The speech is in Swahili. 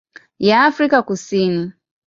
ya Afrika Kusini.